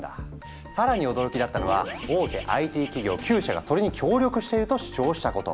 更に驚きだったのは大手ＩＴ企業９社がそれに協力していると主張したこと。